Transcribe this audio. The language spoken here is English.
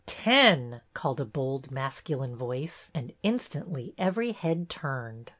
"Ten!" called a bol'd masculine voice, and instantly every head turned.